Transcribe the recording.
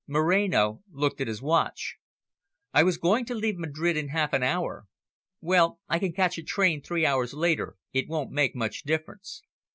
Moreno looked at his watch. "I was going to leave Madrid in half an hour. Well, I can catch a train three hours later, it won't make much difference.